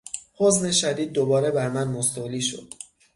حزن شدید دوباره بر من مستولی شد.